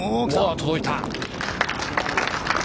届いた。